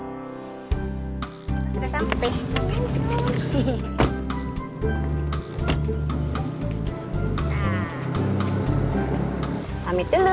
wajahnya mirip siapa